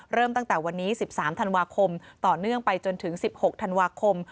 เริ่มตั้งแต่วันนี้๑๓ธันวาคมต่อเนื่องไปจนถึง๑๖ธันวาคม